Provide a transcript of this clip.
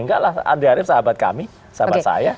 enggak lah andi arief sahabat kami sahabat saya